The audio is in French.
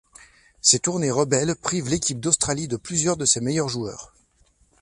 Ces tournées rebelles privent l'équipe d'Australie de plusieurs de ses meilleurs joueurs.